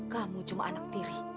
kamu cuma anak tiri